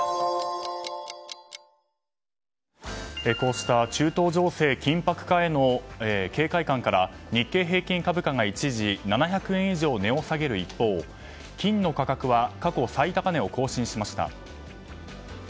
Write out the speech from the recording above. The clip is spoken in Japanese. こうした中東情勢緊迫化への警戒感から日経平均株価が一時７００円以上値を下げる一方金の価格は過去最高値を更新しました。